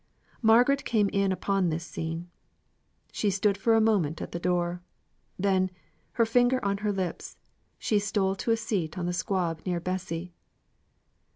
Margaret came in upon this scene. She stood for a moment at the door then, her finger on her lips, she stole to a seat on the squab near Bessy.